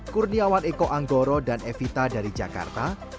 kurniawan eko anggoro dan evita dari jakarta